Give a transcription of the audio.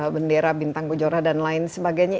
bendera bintang kejora dan lain sebagainya